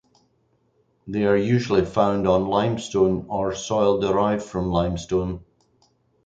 They are usually found on limestone or soil derived from limestone.